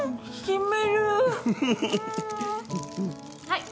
はい。